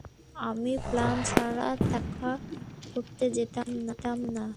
আমি প্ল্যান ছাড়া তাকে রক্ষা করতে যেতাম না।